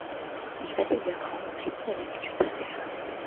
Il fallait lui apprendre à qui elle avait eu affaire!